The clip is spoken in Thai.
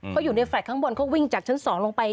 เขาอยู่ในแฟลต์ข้างบนเขาวิ่งจากชั้น๒ลงไป